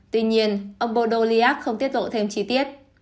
tuy nhiên ông bodoc không tiết lộ thêm chi tiết